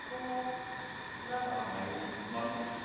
さあ迷います。